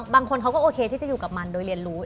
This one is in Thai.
บางคนเขาก็โอเคที่จะอยู่กับมันโดยเรียนรู้